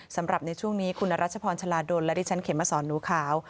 สำหรับในช่วงนี้คุณรัชพรชลาดลและดิฉันเขมสอนหนูขาว